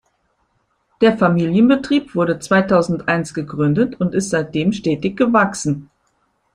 Der Familienbetrieb wurde zweitausendeins gegründet und ist seitdem stetig gewachsen.